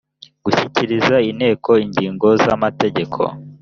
gushyikiriza inteko ingingo z amategeko